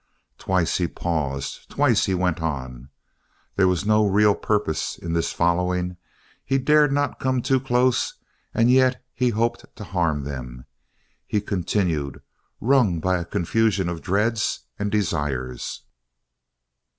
Twice he paused; twice he went on. There was no real purpose in this following. He dared not come too close, and yet he hoped to harm them. He continued, wrung by a confusion of dreads and desires.